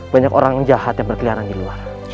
banyak orang jahat yang berkeliaran di luar